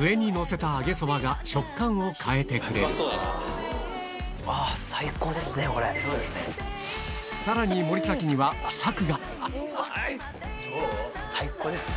上にのせた揚げそばが食感を変えてくれるさらに最高です！